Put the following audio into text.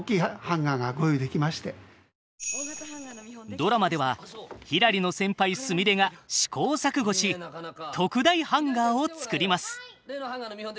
ドラマではひらりの先輩すみれが試行錯誤し特大ハンガーを作ります。